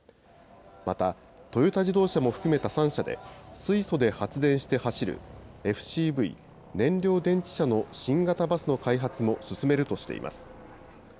また、トヨタ自動車も含めた３社で、水素で発電して走るＦＣＶ・燃料電池車の新型バスの開発も進めるとしています。